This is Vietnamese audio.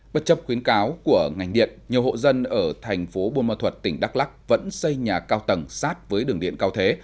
bất chấp khuyến cáo của ngành điện nhiều hộ dân ở thành phố buôn ma thuật tỉnh đắk lắc vẫn xây nhà cao tầng sát với đường điện cao thế